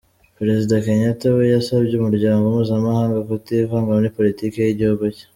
Perezida Kenyatta we yasabye Umuryango mpuzamahanga kutivanga muri politiki y’igihugu cye.